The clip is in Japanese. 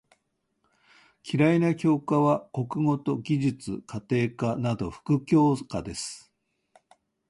嫌いな教科は国語と技術・家庭科など副教科です。